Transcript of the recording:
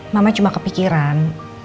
mama cuma kepikiran